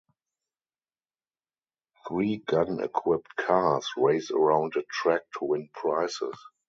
Three gun-equipped cars race around a track to win prizes.